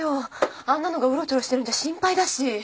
あんなのがうろちょろしてるんじゃ心配だし。